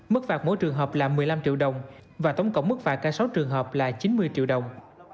mức phạt mỗi trường hợp là một mươi năm triệu đồng và tổng cộng mức phạt cả sáu trường hợp là chín mươi triệu đồng